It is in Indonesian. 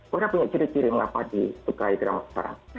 korea punya ciri ciri mengapa disukai drama sekarang